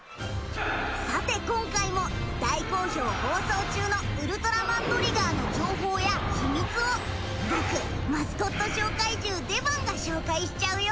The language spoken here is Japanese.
さて今回も大好評放送中の『ウルトラマントリガー』の情報や秘密を僕マスコット小怪獣デバンが紹介しちゃうよ。